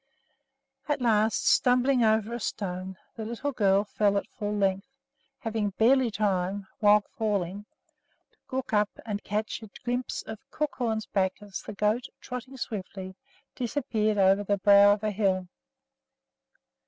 At last, stumbling over a stone, the little girl fell at full length, having barely time, while falling, to look up and catch a glimpse of Crookhorn's back as the goat, trotting swiftly, disappeared over the brow of a hill.